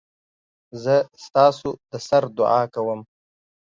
زه ستاسودسر دعاکوم